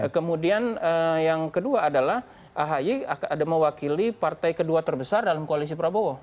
kemudian yang kedua adalah ahy ada mewakili partai kedua terbesar dalam koalisi prabowo